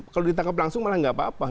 kalau ditangkap langsung malah nggak apa apa